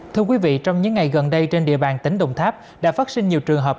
thưa quý vị trong những ngày gần đây trên địa bàn tỉnh đồng tháp đã phát sinh nhiều trường hợp